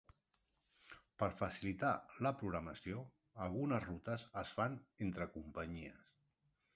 Per facilitar la programació, algunes rutes es fan entre companyies.